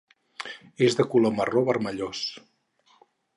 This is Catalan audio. És de color marró vermellós.